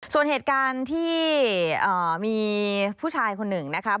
ส่วนเหตุการณ์ที่มีผู้ชายคนหนึ่งนะครับ